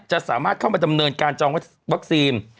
จะสามารถเข้ามาดำเนินการจองวัคซีน